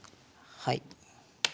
はい。